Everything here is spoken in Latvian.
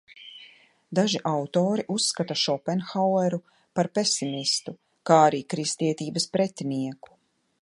Daži autori uzskata Šopenhaueru par pesimistu, kā arī kristietības pretinieku.